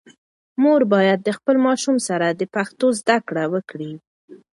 مور باید د خپل ماشوم سره د پښتو زده کړه وکړي.